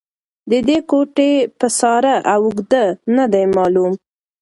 د دې کوټې پساره او اږده نه دې معلوم